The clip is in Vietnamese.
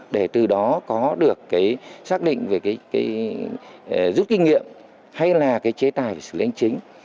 để từ đó có được cái xác định về cái rút kinh nghiệm hay là cái chế tài về sự lãnh chính